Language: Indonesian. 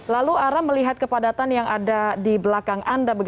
lalu ara melihat kepadatan yang ada di belakang anda